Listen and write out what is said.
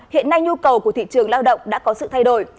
hiện nay nhu cầu của thị trường lao động đã có sự thay đổi